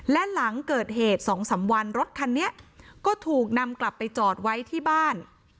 และหลังเกิดเหตุ๒๓วันรถคันนี้ก็ถูกนำกลับไปจอดไว้ที่บ้าน